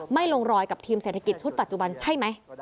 ลงรอยกับทีมเศรษฐกิจชุดปัจจุบันใช่ไหม